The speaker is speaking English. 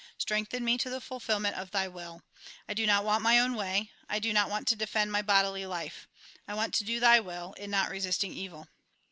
Strengthen me to the fulfilment of Thy will. I do not want my own way. I do not want to defend my bodily life. I want to do Thy will, in not resisting evil."